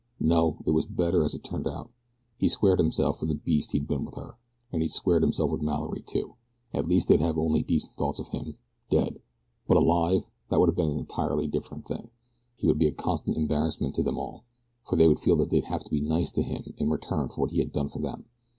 No, it was better as it had turned out. He'd squared himself for the beast he'd been to her, and he'd squared himself with Mallory, too. At least they'd have only decent thoughts of him, dead; but alive, that would be an entirely different thing. He would be in the way. He would be a constant embarrassment to them all, for they would feel that they'd have to be nice to him in return for what he had done for them.